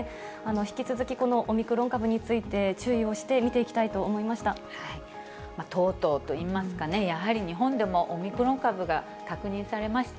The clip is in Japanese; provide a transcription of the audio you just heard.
引き続きこのオミクロン株について、注意をして見ていきたいと思とうとうといいますかね、やはり日本でもオミクロン株が確認されました。